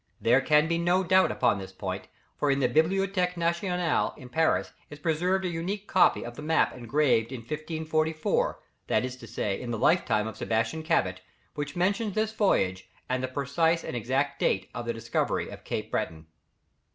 There can be no doubt upon this point, for in the Bibliothèque Nationale in Paris is preserved an unique copy of the map engraved in 1544, that is to say, in the lifetime of Sebastian Cabot, which mentions this voyage, and the precise and exact date of the discovery of Cape Breton.